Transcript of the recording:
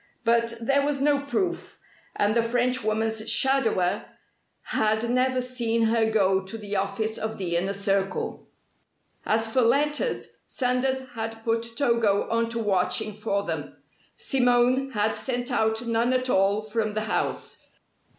But there was no proof; and the Frenchwoman's "shadower" had never seen her go to the office of the Inner Circle. As for letters Sanders had put Togo onto watching for them. Simone had sent out none at all from the house.